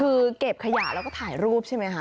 คือเก็บขยะแล้วก็ถ่ายรูปใช่ไหมคะ